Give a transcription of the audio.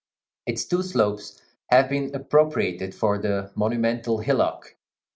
Its two slopes have been appropriated for the monumental hillock.